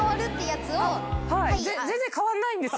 全然変わんないんですよ。